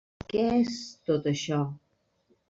Què és tot això?